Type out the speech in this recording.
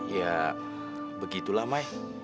ya begitulah mai